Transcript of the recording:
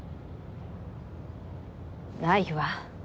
ないわ。